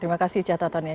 terima kasih catatannya